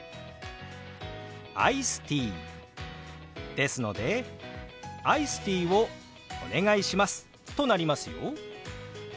「アイスティー」ですので「アイスティーをお願いします」となりますよ。